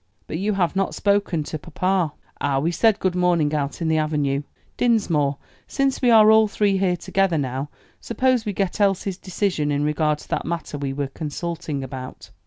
"But you have not spoken to papa." "Ah, we said good morning out in the avenue. Dinsmore, since we are all three here together now, suppose we get Elsie's decision in regard to that matter we were consulting about."